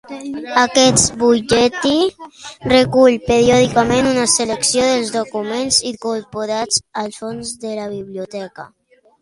Aquest Butlletí recull periòdicament una selecció dels documents incorporats al fons de la Biblioteca.